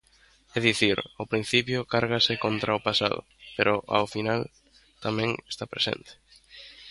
É dicir, ao principio cárgase contra o pasado, pero ao final tamén está presente.